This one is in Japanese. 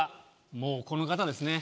もうこの方ですね。